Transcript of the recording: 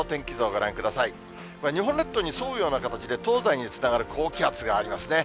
これ、日本列島に沿うような形で、東西につながる高気圧がありますね。